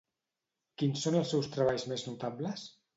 Quins són els seus treballs més notables?